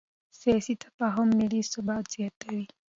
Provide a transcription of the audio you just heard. سیاسي تفاهم ملي ثبات زیاتوي